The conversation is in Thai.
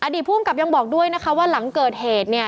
ผู้อำกับยังบอกด้วยนะคะว่าหลังเกิดเหตุเนี่ย